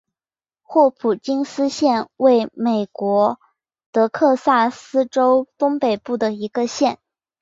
霍普金斯县位美国德克萨斯州东北部的一个县。